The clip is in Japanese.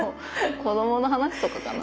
子供の話とかかな。